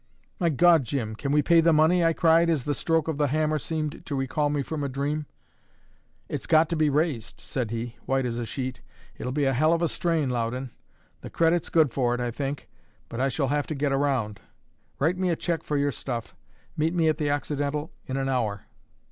"My God, Jim, can we pay the money?" I cried, as the stroke of the hammer seemed to recall me from a dream. "It's got to be raised," said he, white as a sheet. "It'll be a hell of a strain, Loudon. The credit's good for it, I think; but I shall have to get around. Write me a cheque for your stuff. Meet me at the Occidental in an hour."